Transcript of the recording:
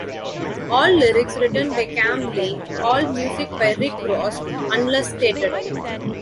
All lyrics written by Kam Lee, all music by Rick Rozz, unless stated.